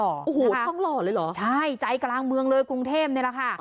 โอ้โหทองหล่อเลยเหรอใช่ใจกลางเมืองเลยกรุงเทพนี่แหละค่ะ